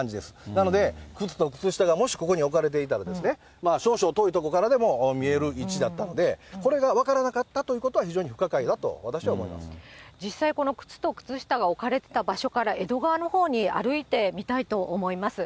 なので、靴と靴下がもしここに置かれていたら、少々遠い所からでも見える位置だったので、これが分からなかったということは、非常に不可解だと、実際、この靴と靴下が置かれてた場所から江戸川のほうに歩いてみたいと思います。